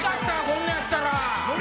こんなんやったら。